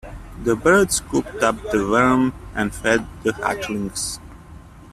The bird scooped up the worm and fed the hatchlings.